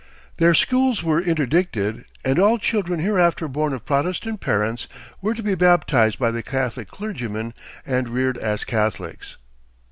Their schools were interdicted, and all children hereafter born of Protestant parents were to be baptized by the Catholic clergymen, and reared as Catholics.